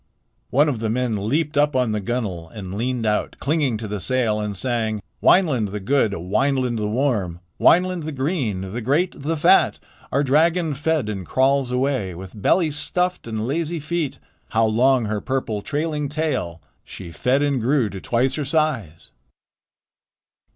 One of the men leaped upon the gunwale and leaned out, clinging to the sail, and sang: "Wineland the good, Wineland the warm, Wineland the green, the great, the fat. Our dragon fed and crawls away With belly stuffed and lazy feet. How long her purple, trailing tail! She fed and grew to twice her size."